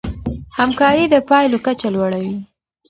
همکاري د پايلو کچه لوړوي.